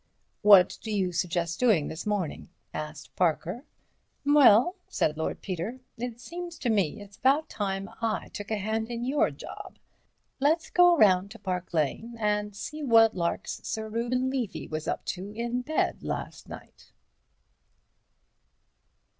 "What do you suggest doing this morning?" asked Parker. "Well," said Lord Peter, "it seems to me it's about time I took a hand in your job. Let's go round to Park Lane and see what larks Sir Reuben Levy was up to in bed last night."